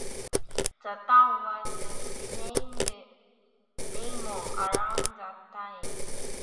The town was renamed Damon around that time.